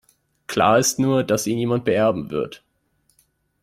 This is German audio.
Klar ist nur, das ihn jemand beerben wird.